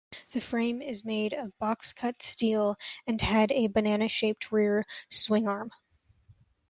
The frame is made of box cut steel and had a banana-shaped rear swingarm.